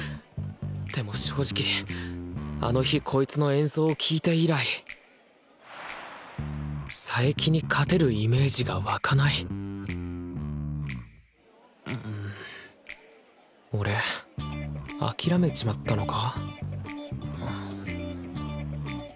でも正直あの日こいつの演奏を聴いて以来佐伯に勝てるイメージが湧かない俺諦めちまったのか？